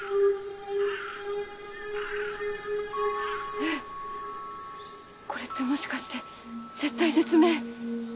えっこれってもしかして絶体絶命！？